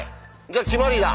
じゃあ決まりだ。